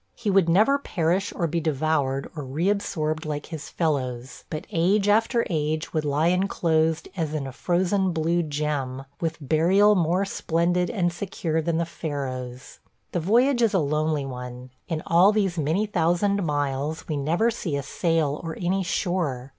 He would never perish or be devoured or reabsorbed like his fellows, but age after age would lie enclosed as in a frozen blue gem, with burial more splendid and secure than the Pharaohs. ... The voyage is a lonely one. In all these many thousand miles we never see a sail or any shore.